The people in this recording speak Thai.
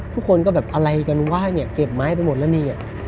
ทุกคนก็แบบอะไรกันไหว้เนี่ยเก็บไม้ไปหมดแล้วนี่